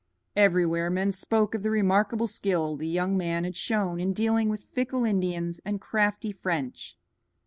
Everywhere men spoke of the remarkable skill the young man had shown in dealing with fickle Indians and crafty French.